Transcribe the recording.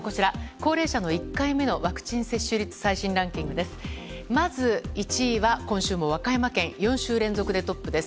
高齢者の１回目のワクチン接種率最新ランキングです。